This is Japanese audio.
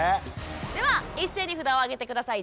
では一斉に札をあげて下さい。